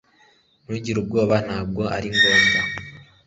Ntugire ubwoba Ntabwo ari ngombwa